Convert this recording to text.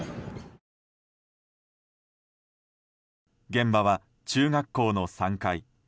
現場は中学校の３階。